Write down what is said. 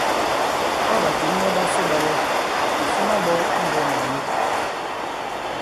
Ɔ̂ ɓàkěn ɓa ɓasu ɓa lɔ, ɓè fuma ɓɔ i mbɔ̄k i Màyo.